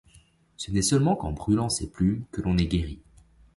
Ce n'est seulement qu'en brûlant ces plumes que l'on est guéri.